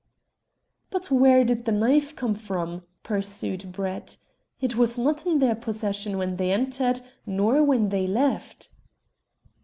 "But where did the knife come from?" pursued Brett. "It was not in their possession when they entered, nor when they left."